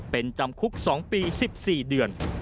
เป็นจำคุก๒ปี๑๔เดือน